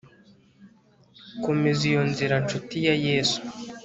komeza iyo nzira nshuti ya yesu